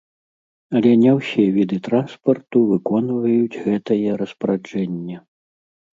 Але не ўсе віды транспарту выконваюць гэтае распараджэнне.